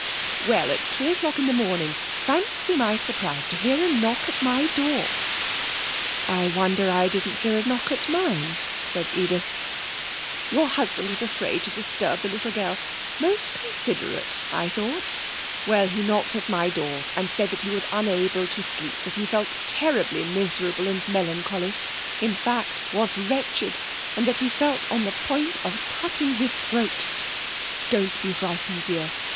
'Well, at three o'clock in the morning, fancy my surprise to hear a knock at my door!' 'I wonder I didn't hear a knock at mine,' said Edith. 'Your husband was afraid to disturb the little girl. Most considerate, I thought. Well, he knocked at my door and said that he was unable to sleep, that he felt terribly miserable and melancholy, in fact was wretched, and that he felt on the point of cutting his throat.... Don't be frightened, dear.